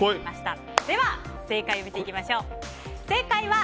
では、正解を見ていきましょう。